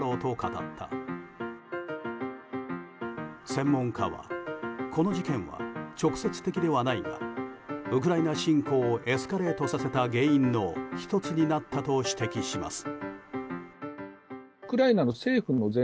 専門家はこの事件は直接的ではないがウクライナ侵攻をエスカレートさせた原因の１つになったと指摘します。